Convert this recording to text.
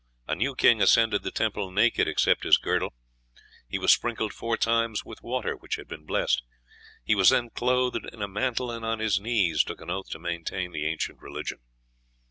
A new king ascended the temple naked, except his girdle; he was sprinkled four times with water which had been blessed; he was then clothed in a mantle, and on his knees took an oath to maintain the ancient religion.